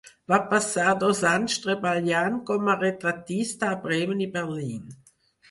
Va passar dos anys treballant com a retratista a Bremen i Berlín.